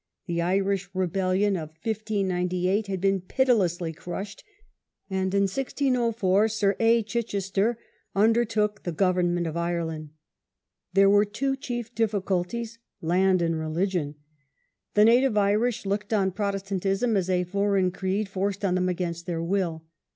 The Irish rebellion of 1598 had been pitilessly crushed, and in 1604 Sir A. Chichester under Chichester's took the government of Ireland. There "*^«^'^^"'^*'' were two chief difficulties, land and religion. The native Irish looked on Protestantism as a foreign creed forced on them against their will.